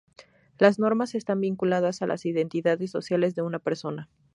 Las normas están vinculadas a las identidades sociales de una persona.